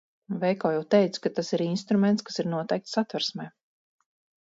Veiko jau teica, ka tas ir instruments, kas ir noteikts Satversmē.